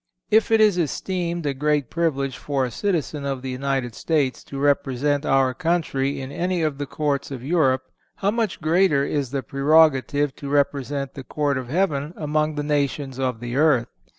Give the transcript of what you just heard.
(490) If it is esteemed a great privilege for a citizen of the United States to represent our country in any of the courts of Europe, how much greater is the prerogative to represent the court of heaven among the nations of the earth!